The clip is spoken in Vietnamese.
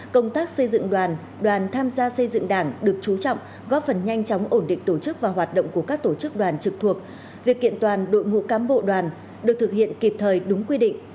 công tác xây dựng đoàn đoàn tham gia xây dựng đảng được chú trọng góp phần nhanh chóng ổn định tổ chức và hoạt động của các tổ chức đoàn trực thuộc việc kiện toàn đội ngũ cán bộ đoàn được thực hiện kịp thời đúng quy định